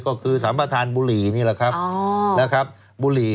ก็คือสัมภาษณ์บุหรี่นี่แหละครับ